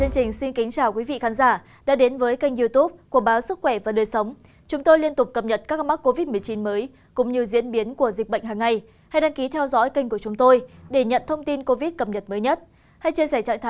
các bạn hãy đăng ký kênh để ủng hộ kênh của chúng mình nhé